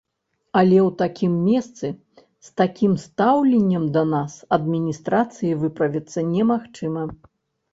Але ў такім месцы, з такім стаўленнем да нас адміністрацыі выправіцца немагчыма.